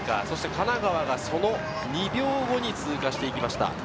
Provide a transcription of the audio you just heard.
そして神奈川がその２秒後に通過していきました。